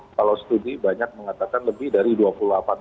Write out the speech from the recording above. kalau studi banyak mengatakan lebih dari dua puluh delapan tahun